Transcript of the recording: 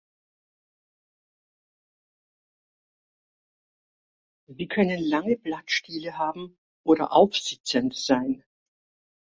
Sie können lange Blattstiele haben oder aufsitzend sein.